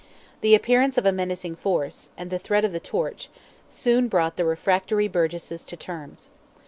The appearance of a menacing force, and the threat of the torch, soon brought the refractory burgesses to terms.